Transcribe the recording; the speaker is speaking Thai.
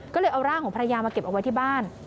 ก็เลยเอาร่างของภรรยามาเก็บเอาไว้ที่บ้าน